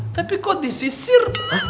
tapi kok disisir